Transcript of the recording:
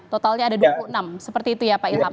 totalnya ada dua puluh enam seperti itu ya pak ilham